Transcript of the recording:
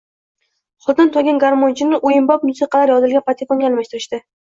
Holdan toygan garmonchini oʻyinbop musiqalar yozilgan patefonga almashtirishdi